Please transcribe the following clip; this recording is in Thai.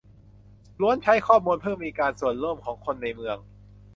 ล้วนใช้ข้อมูลเพื่อการมีส่วนร่วมของคนในเมือง